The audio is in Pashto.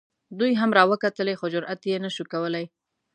دوی هم را وکتلې خو جرات یې نه شو کولی.